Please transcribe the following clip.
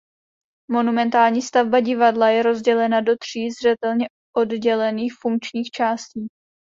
Monumentální stavba divadla je rozdělena do tří zřetelně oddělených funkčních částí.